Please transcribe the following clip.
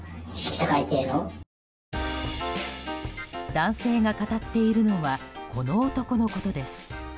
男性が語っているのはこの男のことです。